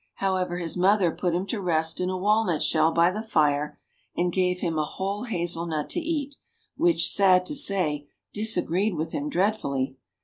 However, his mother put him to rest in a walnut shell by the fire and gave him a whole hazel nut to eat ; which, sad to say, disagreed with him dreadfully.